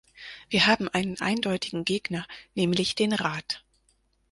Wir haben einen eindeutigen Gegner, nämlich den Rat.